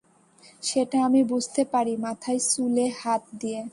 সেটা আমি বুঝতে পারি মাথায় চুলে হাত দিয়ে।